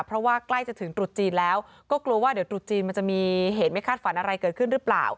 เพราะว่าใกล้จะถึงตรุษจีนแล้วก็กลัวว่าเดี๋ยวตรุษจีนมันจะมีเหตุไม่คาดฝันอะไรเกิดขึ้นหรือเปล่า